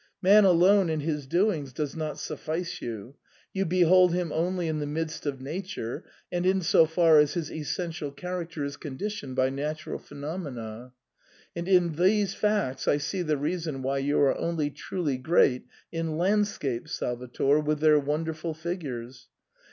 Man alone and his doings does not suffice you ; you behold him only in the midst of Nature, and in so far as his essential character is con ditioned by natural phenomena; and in these facts I see the reason why you are only truly great in land scapes, Salvator, with their wonderful figures.